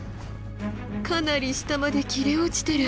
かなり下まで切れ落ちてる。